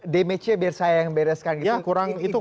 damage nya biar saya yang bereskan gitu